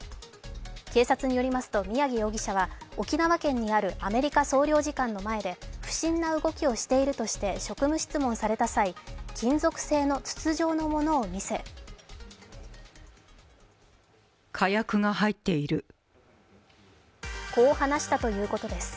警察によりますと、宮城容疑者は沖縄県にあるアメリカ総領事館の前で不審な動きをしているとして職務質問された際、金属製の筒状のものを見せこう話したということです。